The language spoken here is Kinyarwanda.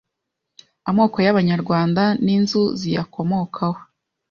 amako y’Abanyarwanda n’inzu ziyakomokaho.